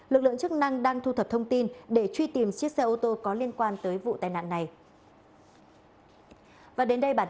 lực lượng chức năng đang thu thập thông tin để truy tìm chiếc xe ô tô có liên quan tới vụ tai nạn này